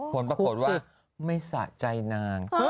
ผลปรากฏว่าไม่สะใจนาง